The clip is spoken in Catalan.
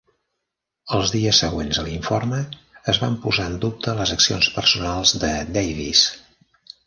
Els dies següents a l'informe, es van posar en dubte les accions personals de Davies.